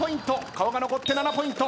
顔が残って７ポイント。